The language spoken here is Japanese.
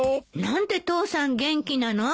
何で父さん元気なの？